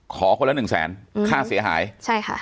ขอคนละ๑แสนค่าเสียหายใช่ค่ะ